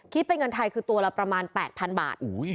เป็นเงินไทยคือตัวละประมาณ๘๐๐๐บาท